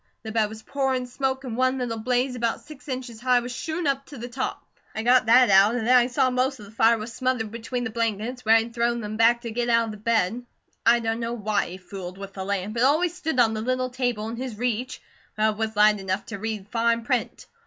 The bed was pourin' smoke and one little blaze about six inches high was shootin' up to the top. I got that out, and then I saw most of the fire was smothered between the blankets where he'd thrown them back to get out of the bed. I dunno why he fooled with the lamp. It always stood on the little table in his reach, but it was light enough to read fine print.